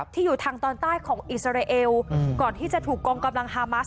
ที่อยู่ทางตอนใต้ของอิสราเอลก่อนที่จะถูกกองกำลังฮามัส